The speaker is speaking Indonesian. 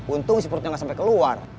untung si perutnya nggak sampai keluar